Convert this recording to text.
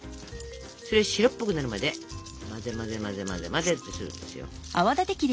それ白っぽくなるまで混ぜ混ぜ混ぜ混ぜ混ぜってするんですよ。